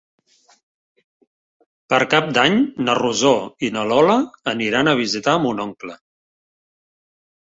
Per Cap d'Any na Rosó i na Lola aniran a visitar mon oncle.